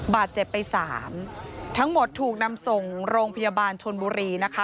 บาดเจ็บไปสามทั้งหมดถูกนำส่งโรงพยาบาลชนบุรีนะคะ